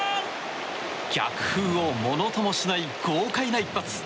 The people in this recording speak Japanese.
逆風をものともしない豪快な一発！